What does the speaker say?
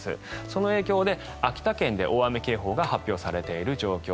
その影響で秋田県で大雨警報が発表されている状況。